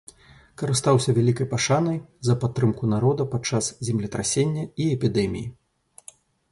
Карыстаўся вялікай пашанай за падтрымку народа падчас землетрасення і эпідэміі.